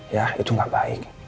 ya itu gak baik